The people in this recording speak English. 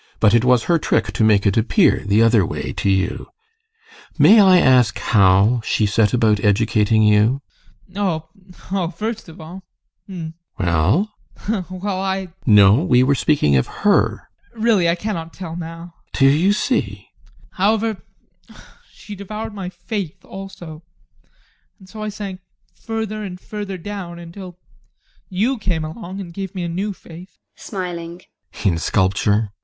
But it was her trick to make it appear the other way to you. May I ask how she set about educating you? ADOLPH. Oh, first of all hm! GUSTAV. Well? ADOLPH. Well, I GUSTAV. No, we were speaking of her. ADOLPH. Really, I cannot tell now. GUSTAV. Do you see! ADOLPH. However she devoured my faith also, and so I sank further and further down, until you came along and gave me a new faith. GUSTAV. [Smiling] In sculpture?